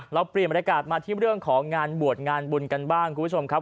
เราเปลี่ยนบรรยากาศมาที่เรื่องของงานบวชงานบุญกันบ้างคุณผู้ชมครับ